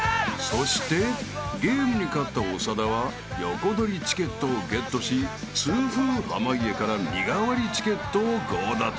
［そしてゲームに勝った長田は横取りチケットをゲットし痛風濱家から身代わりチケットを強奪］